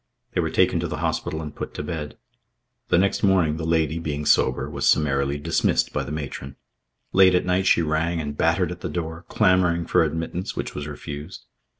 They were taken to the hospital and put to bed. The next morning, the lady, being sober, was summarily dismissed by the matron. Late at night she rang and battered at the door, clamouring for admittance, which was refused.